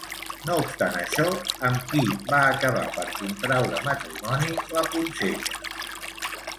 No obstant això, amb qui va acabar per contreure matrimoni la poncella?